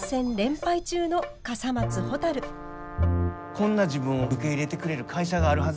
こんな自分を受け入れてくれる会社があるはず